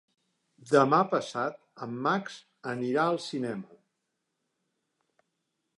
Demà passat en Max anirà al cinema.